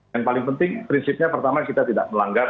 yang paling penting prinsipnya pertama kita tidak melanggar